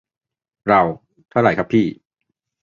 เรา : เท่าไรครับพี่